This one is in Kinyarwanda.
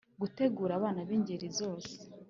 Gutegura abana b ingeri zose